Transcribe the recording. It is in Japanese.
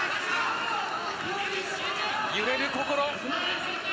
揺れる心。